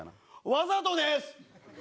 わざとです！